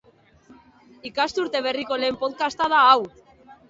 Ikasturte berriko lehen podcasta da hau!